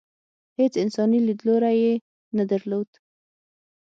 هېڅ انساني لیدلوری یې نه درلود.